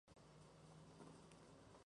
Su primera actividad fue la de periodista.